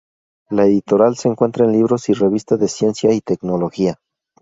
La editorial se centra en libros y revistas de ciencia y tecnología.